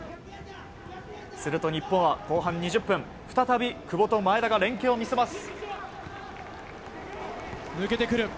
日本は後半２０分再び久保と前田が連係を見せます。